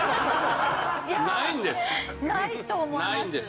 ないと思います。